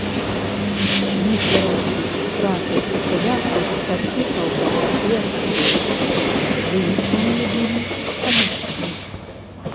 Гітлераўцы, страціўшы каля трыццаці салдат і афіцэраў, вымушаныя былі адысці.